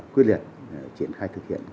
quyết liệt triển khai thực hiện